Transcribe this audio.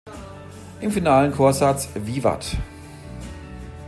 Im finalen Chorsatz „Vivat!